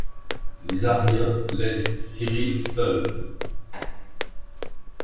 Les Aryens laissent Cyril seul.